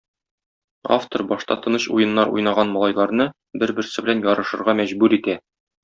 Автор башта тыныч уеннар уйнаган малайларны бер-берсе белән ярышырга мәҗбүр итә.